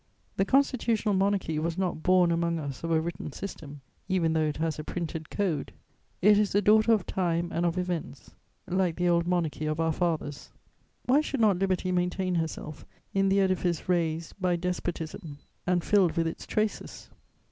"The Constitutional Monarchy was not born among us of a written system, even though it has a printed Code; it is the daughter of time and of events, like the Old Monarchy of our fathers. "Why should not liberty maintain herself in the edifice raised by despotism and filled with its traces?